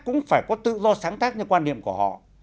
cũng phải có tự do sáng tác như quan niệm của họ